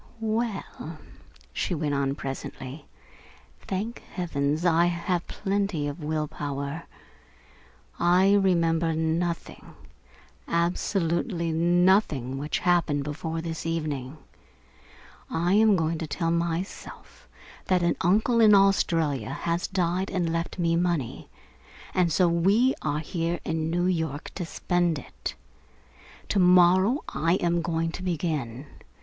"Well," she went on presently, "thank heavens I have plenty of will power. I remember nothing, absolutely nothing, which happened before this evening. I am going to tell myself that an uncle in Australia has died and left me money, and so we are here in New York to spend it. To morrow I am going to begin.